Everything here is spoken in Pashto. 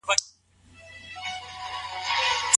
د کورنۍ په غړو کي بايد دا قاعده پلې سي.